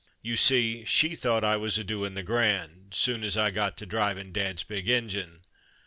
You see, she thought I was a doin' the grand, soon as I got to drivin' Dad's big engine.